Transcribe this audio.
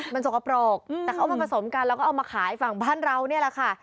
มันสกปรกแต่เขาเอามาผสมกันแล้วก็เอามาขายฝั่งบ้านเรานี่แหละค่ะ